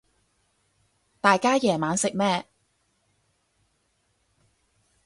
大家夜晚食咩